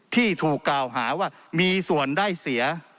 ที่ถูกกล่าวหาว่ามีส่วนได้เสีย